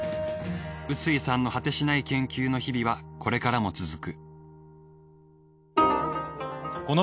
臼井さんの果てしない研究の日々はこれからも続く。